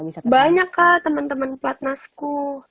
banyak kah teman teman platnasku